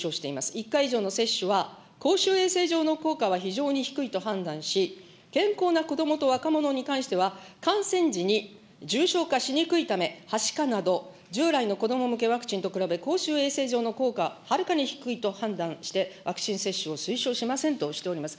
１回以上の接種は、公衆衛生上の効果は非常に低いと判断し、健康な子どもと若者に関しては、感染時に重症化しにくいため、はしかなど従来の子ども向けワクチンと比べ、公衆衛生上の効果、はるかに低いと判断して、ワクチン接種を推奨しませんとしております。